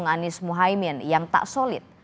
jika masih berada di koalisi yang lama